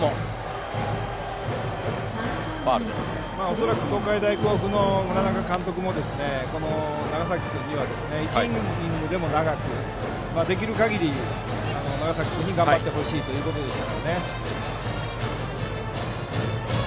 恐らく東海大甲府の村中監督も長崎君には１イニングでも長くできる限り長崎君に頑張ってほしいということでした。